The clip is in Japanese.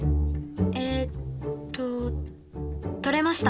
えっと取れました。